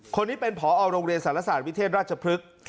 คนนี้เป็นผอโรงเรียนสารศาสตร์วิเทศราชพฤกษ์